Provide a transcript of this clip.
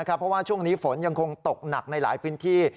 เพราะว่าช่วงนี้ฝนยังคงตกหนักในหลายพื้นที่